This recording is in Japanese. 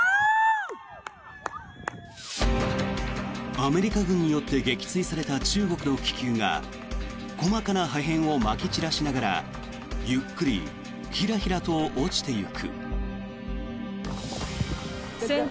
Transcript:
アメリカ軍によって撃墜された中国の気球が細かな破片をまき散らしながらゆっくりひらひらと落ちていく。